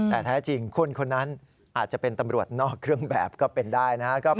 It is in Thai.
แต่แท้จริงคนคนนั้นอาจจะเป็นตำรวจนอกเครื่องแบบก็เป็นได้นะครับ